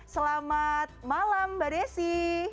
selamat malam mbak desi